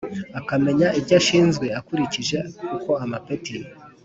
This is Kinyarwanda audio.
Akamenya ibyo ashinzwe akurikije uko amapeti